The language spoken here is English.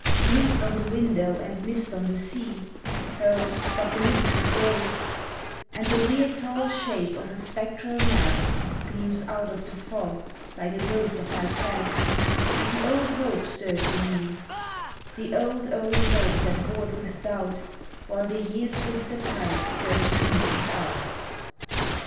Mist on the window and mist on the sea (Oh, but the mist is gray), And the weird, tall shape of a spectral mast Gleams out of the fog like a ghost of my past, And the old hope stirs in me The old, old hope that warred with doubt, While the years with the tides surged in and out.